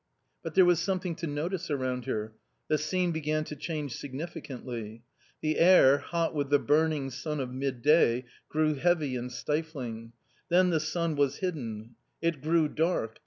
But there was something to notice around her; the scene began to change significantly. The air, hot with the burning sun of midday, grew heavy and stifling. Then the sun was hidden. It grew dark.